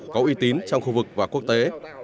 có uy tín trong khu vực và quốc tế